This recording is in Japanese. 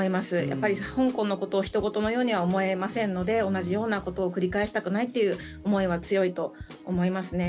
やっぱり香港のことをひと事のようには思えませんので同じようなことを繰り返したくないという思いは強いと思いますね。